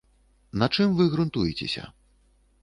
На чым вы грунтуецеся?